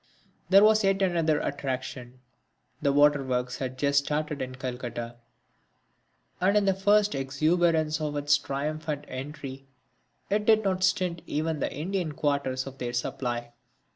There was yet another attraction. The water works had just been started in Calcutta, and in the first exuberance of its triumphant entry it did not stint even the Indian quarters of their supply.